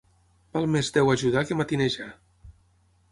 Val més Déu ajudar que matinejar.